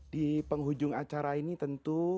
di penghujung acara ini tentu